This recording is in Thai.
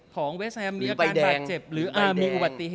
ของเวซแซมได้อาจมีปัต